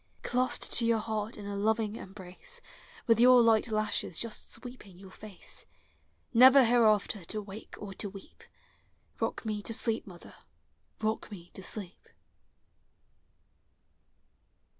Clasped to your heart in a loving embrace, With your light lashes jusi sweeping your fate, Never hereafter to wake or to weep; — Kock me to sleep, mother, — rock me to sleep!